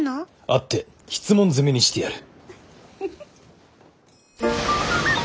会って質問攻めにしてやる。